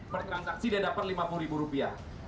per transaksi dia dapat lima puluh ribu rupiah